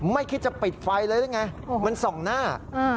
ไม่คิดจะปิดไฟเลยมันส่องหน้า